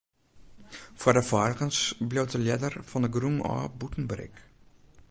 Foar de feiligens bliuwt de ljedder fan 'e grûn ôf bûten berik.